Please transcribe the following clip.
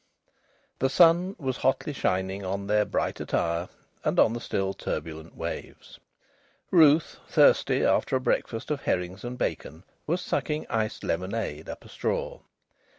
The sun was hotly shining on their bright attire and on the still turbulent waves. Ruth, thirsty after a breakfast of herrings and bacon, was sucking iced lemonade up a straw.